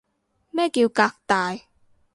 咩叫革大